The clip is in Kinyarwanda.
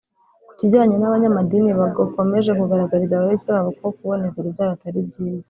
Ku kijyanye n’abanyamadini bagokomeje kugaragariza abayoboke babo ko kuboneza urubyaro atari byiza